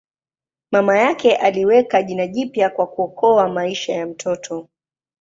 Mama yake aliweka jina jipya kwa kuokoa maisha ya mtoto.